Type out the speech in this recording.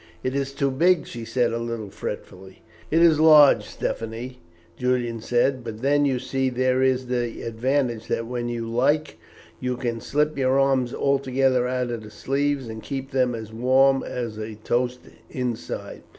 "It is too big," she said a little fretfully. "It is large, Stephanie," Julian said, "but then, you see, there is the advantage that when you like you can slip your arms altogether out of the sleeves, and keep them as warm as a toast inside.